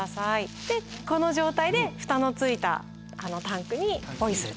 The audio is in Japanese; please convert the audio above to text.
でこの状態で蓋のついたタンクにポイすると。